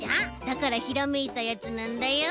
だからひらめいたやつなんだよ。